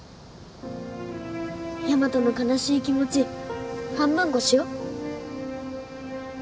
ヤマトの悲しい気持ち半分こしよう